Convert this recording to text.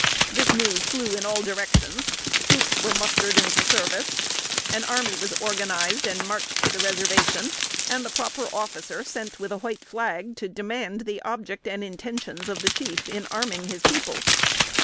The news flew in all directions; troops were mustered into service; an army was organized and marched to the Reservation, and the proper officer sent, with a white flag, to demand the object and intentions of the chief, in arming his people.